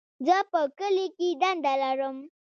زه په کلي کي دنده لرم.